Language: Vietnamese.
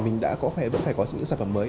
mình đã có thể vẫn phải có những sản phẩm mới